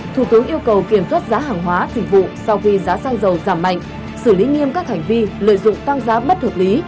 thủ tướng yêu cầu kiểm soát giá hàng hóa dịch vụ sau khi giá xăng dầu giảm mạnh xử lý nghiêm các hành vi lợi dụng tăng giá bất hợp lý